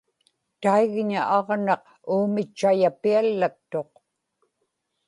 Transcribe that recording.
taigña aġnaq uumitchayapiallaktuq